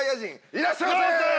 いらっしゃいませ！！